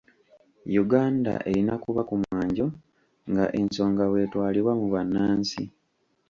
Uganda erina kuba ku mwanjo nga ensonga bw'etwalibwa mu bannansi.